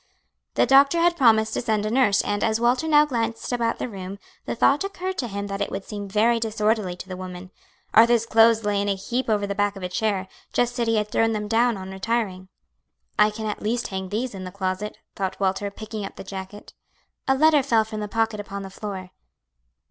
The doctor had promised to send a nurse and, as Walter now glanced about the room, the thought occurred to him that it would seem very disorderly to the woman. Arthur's clothes lay in a heap over the back of a chair, just as he had thrown them down on retiring. "I can at least hang these in the closet," thought Walter, picking up the jacket. A letter fell from the pocket upon the floor.